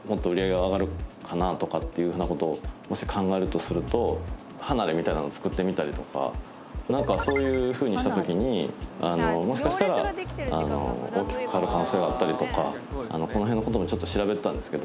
っていうふうなことをもし考えるとすると離れみたいなのを造ってみたりとかそういうふうにしたときにもしかしたら大きく変わる可能性があったりとかこの辺のこともちょっと調べてたんですけど